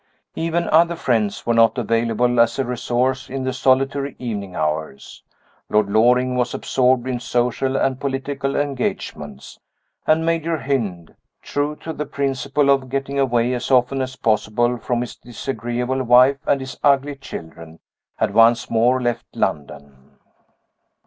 Even other friends were not available as a resource in the solitary evening hours. Lord Loring was absorbed in social and political engagements. And Major Hynd true to the principle of getting away as often as possible from his disagreeable wife and his ugly children had once more left London.